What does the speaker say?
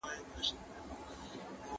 ستا په نازك او ګل ورين وجود كـــــــــــــي